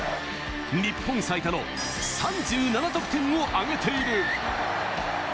日本最多の３７得点を挙げている。